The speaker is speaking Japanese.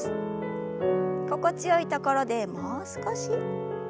心地よいところでもう少し。